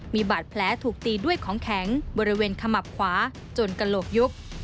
มีบาดแผลถูกตีด้วยของแข็งบริเวณขมับขวาจนกระโหลกยุบ